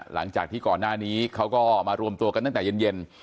หลังจากที่ก่อนหน้านี้เขาก็มารวมตัวกันตั้งแต่เย็น